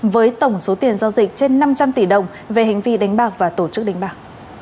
với tổng số tiền giao dịch trên năm trăm linh tỷ đồng về hành vi đánh bạc và tổ chức đánh bạc